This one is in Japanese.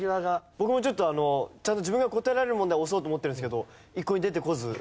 僕もちょっとちゃんと自分が答えられる問題を押そうと思ってるんですけど一向に出てこず。